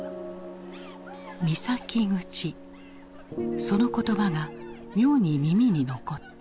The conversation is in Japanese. その言葉が妙に耳に残った。